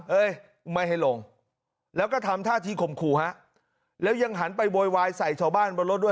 เอ้ยไม่ให้ลงแล้วก็ทำท่าที่ข่มขู่ฮะแล้วยังหันไปโวยวายใส่ชาวบ้านบนรถด้วย